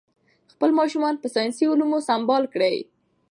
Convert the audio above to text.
خپل ماشومان په ساینسي علومو سمبال کړئ.